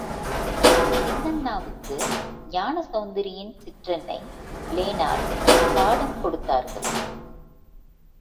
சின்னண்ணாவுக்கு ஞானசெளந்தரியின் சிற்றன்னை லேனாள் பாடம் கொடுத்தார்கள்.